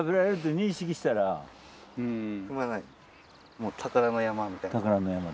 もう宝の山みたいな。